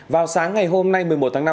vào sáng ngày hôm nay một mươi một tháng năm